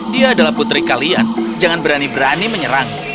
dia adalah putri kalian jangan berani berani menyerang